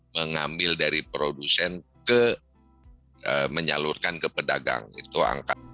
mengambil dari produsen ke menyalurkan ke pedagang itu angka